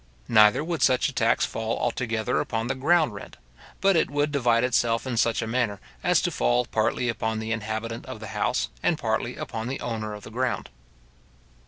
Neither would such a tax fall altogether upon the ground rent; but it would divide itself in such a manner, as to fall partly upon the inhabitant of the house, and partly upon the owner of the ground.